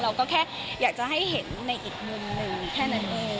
เราก็แค่อยากจะให้เห็นในอีกมุมหนึ่งแค่นั้นเอง